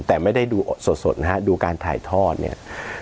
แต่ไม่ได้ดูสดนะฮะดูการถ่ายทอดเนี่ย